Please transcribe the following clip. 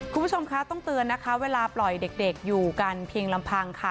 คุณผู้ชมคะต้องเตือนนะคะเวลาปล่อยเด็กอยู่กันเพียงลำพังค่ะ